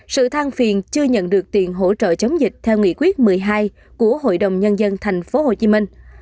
năm sự thang phiền chưa nhận được tiền hỗ trợ chống dịch theo nghị quyết một mươi hai của hội đồng nhân dân tp hcm